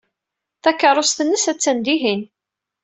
Takeṛṛust-nnes attan dihin.